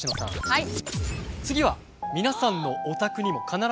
はい。